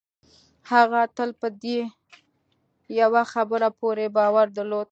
هغه تل په دې يوه خبره پوره باور درلود.